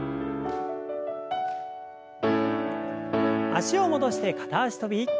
脚を戻して片脚跳び。